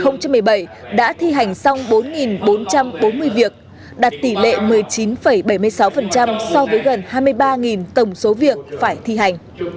năm hai nghìn một mươi bảy đã thi hành xong bốn bốn trăm bốn mươi việc đạt tỷ lệ một mươi chín bảy mươi sáu so với gần hai mươi ba tổng số việc phải thi hành